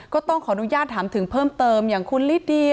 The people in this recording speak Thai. ก็ต้องขออนุญาตถามถึงเพิ่มเติมอย่างคุณลิเดีย